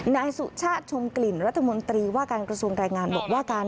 นายสุชาติชมกลิ่นรัฐมนตรีว่าการกระทรวงแรงงานบอกว่าการ